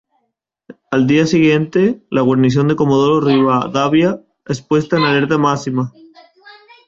El día siguiente, la guarnición de Comodoro Rivadavia es puesta en alerta máxima.